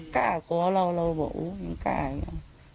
กล้ากอเราเราบอกโอ้ยยังกล้ากัน